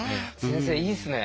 先生いいですね。